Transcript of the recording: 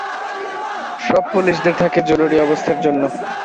সব পুলিশ দের থাকে জরুরি অবস্থার জন্য।